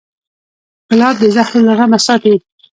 ګلاب د زهرو له غمه ساتي.